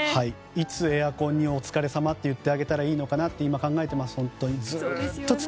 いつエアコンにお疲れさまって言ってあげたらいいのかなって今、考えています。